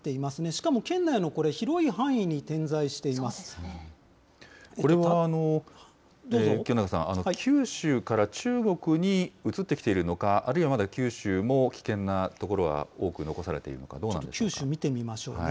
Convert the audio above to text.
しかも県内の広い範囲に点在してこれは清永さん、九州から中国に移ってきているのか、あるいはまだ九州も危険な所は多く残されているのか、どうなんでしょうか。